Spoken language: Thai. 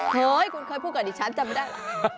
เห้ยเค้าเคยพูดกับที่ฉันจำแล้ว